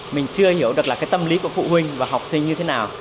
mình chưa hiểu được là cái tâm lý của phụ huynh và học sinh như thế nào